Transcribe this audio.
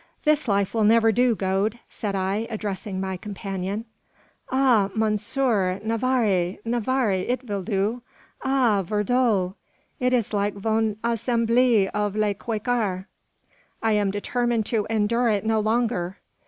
"This life will never do, Gode," said I, addressing my compagnon. "Ah! monsieur, nevare! nevare it vill do. Ah! ver doll. It is like von assemblee of le Quaker." "I am determined to endure it no longer."